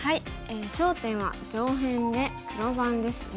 焦点は上辺で黒番ですね。